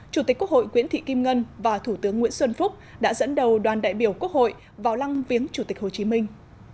chủ tịch quốc hội nguyễn thị kim ngân và thủ tướng nguyễn xuân phúc đã dẫn đầu đoàn đại biểu quốc hội vào lăng viếng chủ tịch hồ chí minh